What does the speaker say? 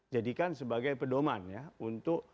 jadikan sebagai pedoman ya untuk